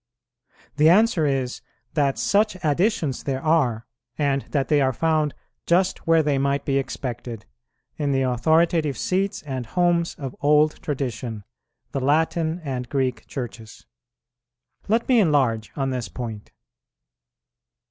The answer is, that such additions there are, and that they are found just where they might be expected, in the authoritative seats and homes of old tradition, the Latin and Greek Churches. Let me enlarge on this point.